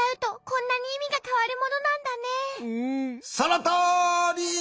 そのとおり！